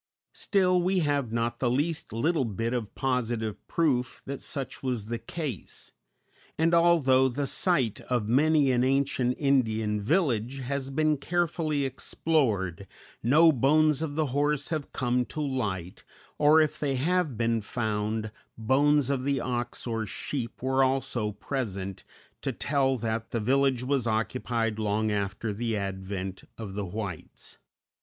Still we have not the least little bit of positive proof that such was the case, and although the site of many an ancient Indian village has been carefully explored, no bones of the horse have come to light, or if they have been found, bones of the ox or sheep were also present to tell that the village was occupied long after the advent of the whites.